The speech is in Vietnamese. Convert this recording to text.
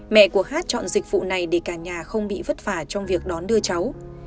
mẹ của hát chọn dịch vụ này để cả nhà không bị vất vả trong việc đón đưa cháu